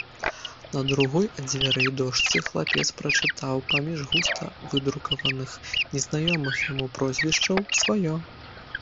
На другой ад дзвярэй дошцы хлапец прачытаў паміж густа выдрукаваных незнаёмых яму прозвішчаў сваё.